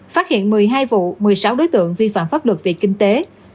phát hiện một mươi hai vụ một mươi sáu đối tượng vi phạm pháp luật về kinh tế